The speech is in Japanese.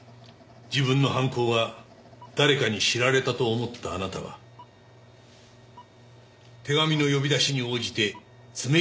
自分の犯行が誰かに知られたと思ったあなたは手紙の呼び出しに応じて爪木崎へ行った。